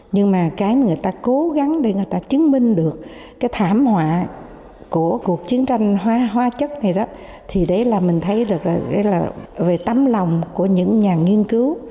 nhưng mà cái người ta cố gắng để người ta chứng minh được cái thảm họa của cuộc chiến tranh hóa hóa chất này đó thì đấy là mình thấy được là về tấm lòng của những nhà nghiên cứu